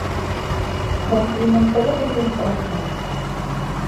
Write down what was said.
Комплиментығыҙ өсөн рәхмәт.